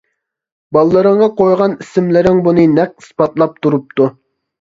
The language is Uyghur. بالىلىرىڭغا قويغان ئىسىملىرىڭ بۇنى نەق ئىسپاتلاپ تۇرۇپتۇ.